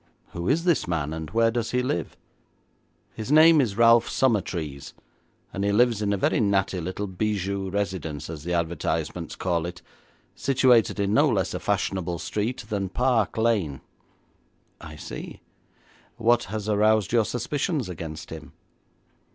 'Who is this man, and where does he live?' 'His name is Ralph Summertrees, and he lives in a very natty little bijou residence, as the advertisements call it, situated in no less a fashionable street than Park Lane.' 'I see. What has aroused your suspicions against him?'